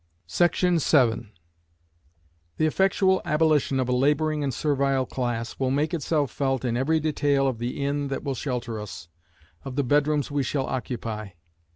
Section 7 The effectual abolition of a labouring and servile class will make itself felt in every detail of the inn that will shelter us, of the bedrooms we shall occupy.